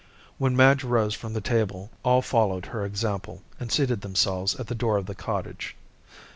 When Madge rose from the table, all followed her example, and seated themselves at the door of the cottage.